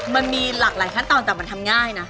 มันมีหลากหลายขั้นตอนแต่มันทำง่ายนะ